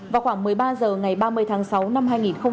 vào khoảng một mươi ba h ngày ba mươi tháng sáu năm hai nghìn hai mươi